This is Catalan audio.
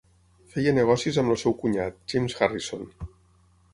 Feia negocis amb el seu cunyat, James Harrison.